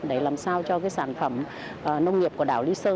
để làm sao cho sản phẩm nông nghiệp của đảo lý sơn